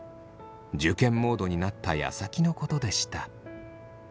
受験モードになったやさきのことでした。